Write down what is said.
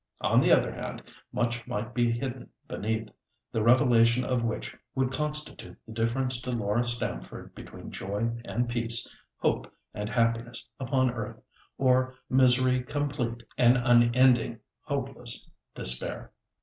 On the other hand, much might be hidden beneath, the revelation of which would constitute the difference to Laura Stamford between joy and peace, hope and happiness upon earth, or misery complete and unending, hopeless despair.